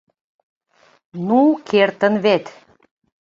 — Ну, кертын вет!